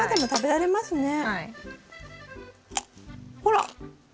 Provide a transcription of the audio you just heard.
ほら！